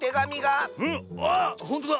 あほんとだ。